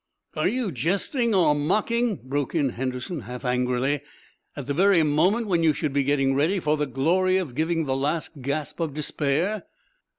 "Are you jesting or mocking," broke in Henderson, half angrily, "at the very moment when you should be getting ready for the glory of giving the last gasp of despair?"